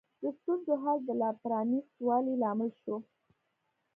د ستونزو حل د لا پرانیست والي لامل شو.